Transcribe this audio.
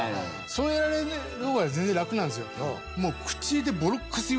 そうやられる方が全然ラクなんですよ。